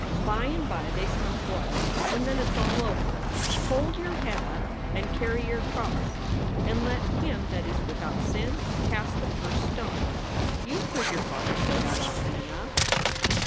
By and by they smell blood, and then it s all over. Hold your head up and carry your cross. And let him that is without sin cast the first stone. You ve heard your father say that often enough."